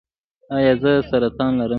ایا زه سرطان لرم؟